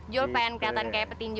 jul pengen kelihatan kayak petinju